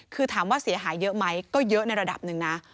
คือถามว่าเสียหายเยอะไหมก็เยอะในระดับหนึ่งนะ